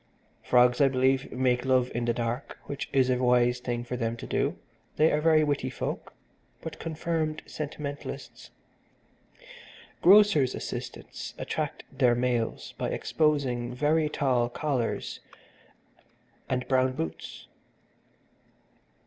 Frogs, I believe, make love in the dark, which is a wise thing for them to do they are very witty folk, but confirmed sentimentalists. Grocers' assistants attract their mates by exposing very tall collars and brown boots.